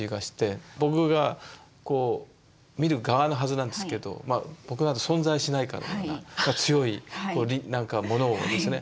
僕が見る側のはずなんですけど僕なんて存在しないかのような強いなんかものをですね